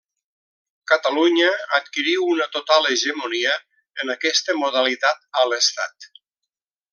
Catalunya adquirí una total hegemonia en aquesta modalitat a l'estat.